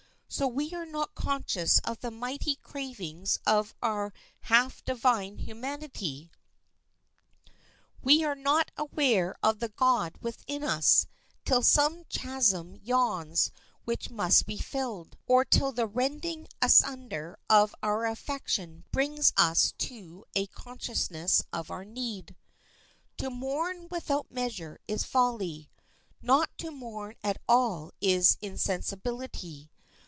So we are not conscious of the mighty cravings of our half divine humanity, we are not aware of the God within us, till some chasm yawns which must be filled, or till the rending asunder of our affection brings us to a consciousness of our need. To mourn without measure is folly; not to mourn at all is insensibility.